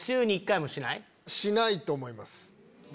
しないと思います。